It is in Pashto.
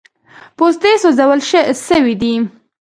پوستې سوځول سوي دي.